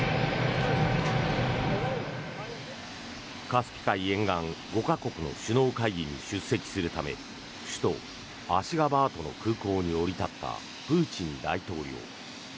カスピ海沿岸５か国の首脳会議に出席するため首都アシガバードの空港に降り立ったプーチン大統領。